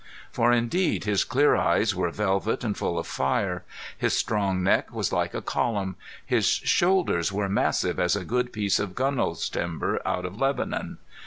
For indeed his clear eyes were velvet and full of fire; his strong neck was like a column; his shoulders were massive as a good piece of gunwale timber out of Lebanon.